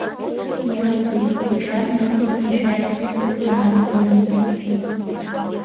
Иуасҳәеит, иахьарнахыс ршәаџь зҳәо даанхом ҳәа.